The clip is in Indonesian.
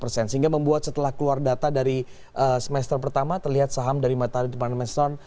sehingga membuat setelah keluar data dari semester pertama terlihat saham dari matahari department store